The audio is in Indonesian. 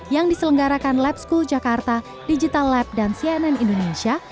yang diselenggarakan lab school jakarta digital lab dan cnn indonesia